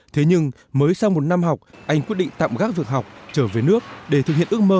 thế nhưng mới sau một năm học anh quyết định tạm gác việc học trở về nước để thực hiện ước mơ